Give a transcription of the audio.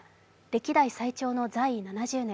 歴代最長の在位７０年。